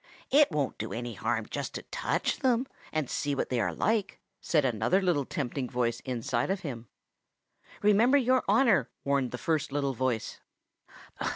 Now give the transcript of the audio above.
"'It won't do any harm just to touch them and see what they are like,' said another little tempting voice inside of him. "'Remember your honor,' warned the first little voice.